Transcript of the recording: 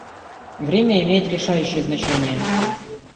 Время имеет решающее значение.